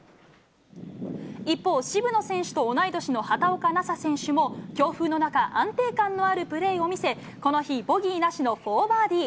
一方、渋野選手と同い年の畑岡奈紗選手も、強風の中、安定感のあるプレーを見せ、この日、ボギーなしの４バーディー。